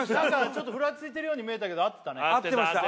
ちょっとふらついてるように見えたけど合ってたね合ってました